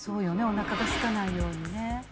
お腹がすかないようにね。